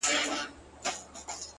و تاته د جنت حوري غلمان مبارک _